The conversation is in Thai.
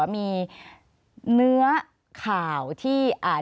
ขอบคุณครับ